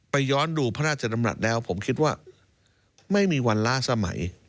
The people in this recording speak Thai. ย้อนดูพระราชดำรัฐแล้วผมคิดว่าไม่มีวันล้าสมัย